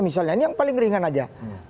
misalnya ini yang paling ringan aja